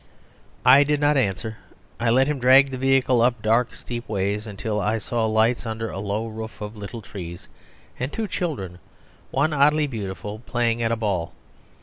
I did not answer. I let him drag the vehicle up dark, steep ways, until I saw lights under a low roof of little trees and two children, one oddly beautiful, playing at ball.